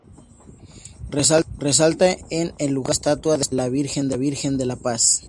Resalta en el lugar una estatua de la Virgen de la Paz.